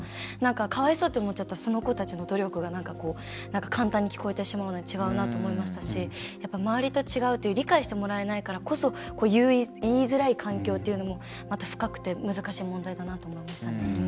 かわいそうって思っちゃったらその子たちの努力が簡単に聞こえてしまうので違うなって思いましたし周りと違うって理解してもらえないからこそ言いづらい環境というのも深くて難しい問題だなと思いましたね。